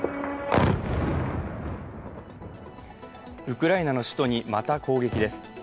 ウクライナの首都に、また攻撃です。